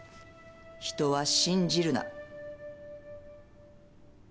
人は信じるな。